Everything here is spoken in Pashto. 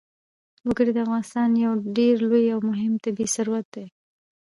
وګړي د افغانستان یو ډېر لوی او مهم طبعي ثروت دی.